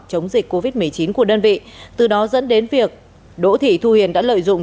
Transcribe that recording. chống dịch covid một mươi chín của đơn vị từ đó dẫn đến việc đỗ thị thu hiền đã lợi dụng